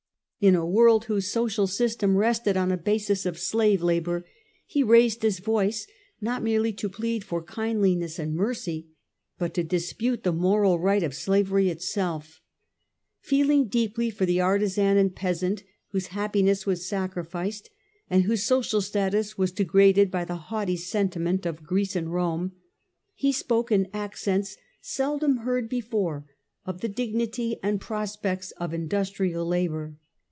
In a world whose social system rested on a basis of slave labour, he raised his voice not merely to plead for kindliness and mercy, but to dispute the moral right of slavery itself. Feeling deeply for the artisan and peasant, whose happiness was sacri ficed, and whose social status was degraded by the haughty sentiment of Greece and Rome, he spoke in accents seldom heard before of the dignity and prospects of in dustrial labour.